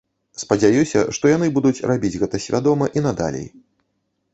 Спадзяюся, што яны будуць рабіць гэта свядома і надалей.